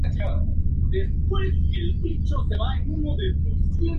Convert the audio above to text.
Es una especie demersal.